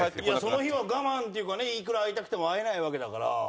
その日は我慢っていうかねいくら会いたくても会えないわけだから。